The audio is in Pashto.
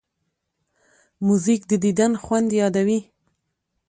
موزیک د دیدن خوند یادوي.